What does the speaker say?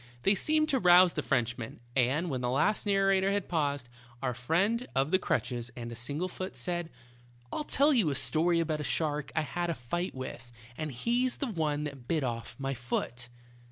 They seemed to rouse the Frenchman, and when the last narrator had paused, our friend of the crutches and single foot said : "I'll tell you a story about a shark I had a fight with, and he's the one that bit off my foot."